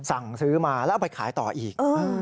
สั่งซื้อมาแล้วเอาไปขายต่ออีก